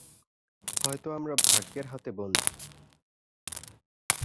হয়তো আমরা ভাগ্যের হাতে বন্দি।